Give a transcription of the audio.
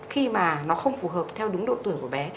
khi mà nó không phù hợp theo đúng độ tuổi của bé